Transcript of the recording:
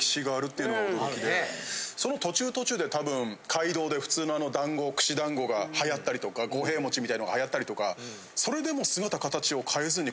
その途中途中でたぶん街道で普通の団子串団子が流行ったりとか五平餅みたいのが流行ったりとか。